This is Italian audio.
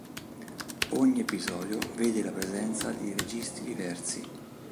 Ogni episodio vede la presenza di registi diversi.